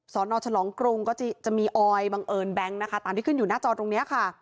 สอนอฉลองกรุงก็จะมีออยบังเอิญแบงค์นะคะตามที่ขึ้นอยู่หน้าจอตรงนี้ค่ะ